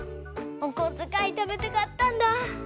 おこづかいためてかったんだ！